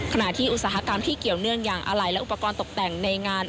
อุตสาหกรรมที่เกี่ยวเนื่องอย่างอาลัยและอุปกรณ์ตกแต่งในงาน